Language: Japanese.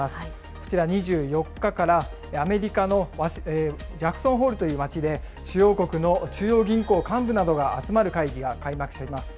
こちら２４日から、アメリカのジャクソンホールという町で、主要国の中央銀行幹部などが集まる会議が開幕します。